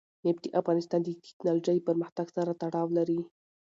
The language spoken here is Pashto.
نفت د افغانستان د تکنالوژۍ پرمختګ سره تړاو لري.